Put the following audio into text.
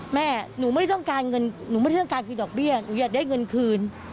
แม่หนูไม่ได้ต้องการเงินเงินตกเบี้ยหนูอยากได้เงินคืน